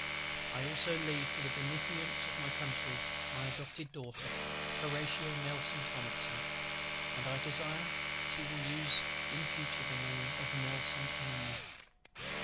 "I also leave to the beneficence of my Country my adopted Daughter, HORATIA NELSON THOMPSON; and I desire she will use in future the name of NELSON only.